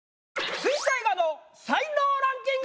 水彩画の才能ランキング！